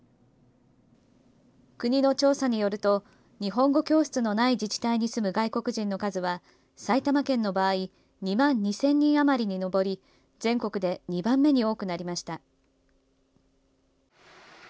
国の調査によると日本語教室のない自治体に住む外国人の数は、埼玉県の場合２万２０００人余りに上り全国で２番目に多くなりました。